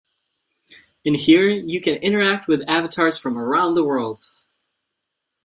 In here you can interact with avatars from around the world.